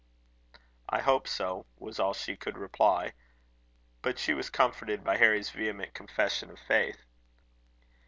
"I hope so," was all she could reply; but she was comforted by Harry's vehement confession of faith.